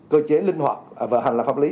cơ chế linh hoạt và hành lạc pháp lý